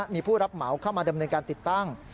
มีผู้รับเหมาเข้ามาดำเนินการติดตั้ง